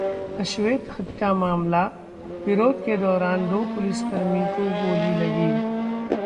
अश्वेत हत्या मामला: विरोध के दौरान दो पुलिसकर्मी को गोली लगी